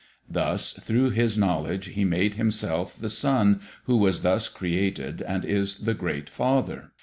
Thus through his knowledge he made himself the Sun who was thus created and is the great Father.